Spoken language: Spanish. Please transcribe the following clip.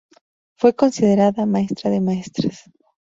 Fue considerada maestra de maestras.